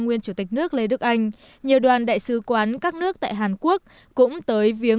nguyên chủ tịch nước lê đức anh nhiều đoàn đại sứ quán các nước tại hàn quốc cũng tới viếng